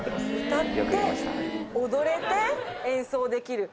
歌って踊れて演奏できる。